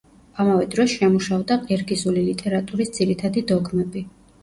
ამავე დროს შემუშავდა ყირგიზული ლიტერატურის ძირითადი დოგმები.